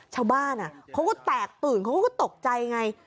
ชาวบ้านเขาก็แตกตื่นเขาก็ตกใจไง